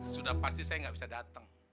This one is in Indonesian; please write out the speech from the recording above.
sudah pasti saya nggak bisa datang